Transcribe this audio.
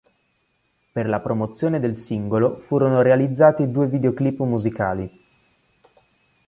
Per la promozione del singolo furono realizzati due videoclip musicali.